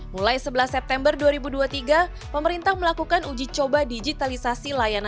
mulai sebelas september dua ribu dua puluh tiga pemerintah melakukan uji coba digitalisasi layanan